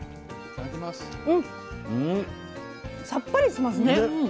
さっぱりしますね。